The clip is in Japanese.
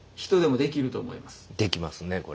できますねこれ。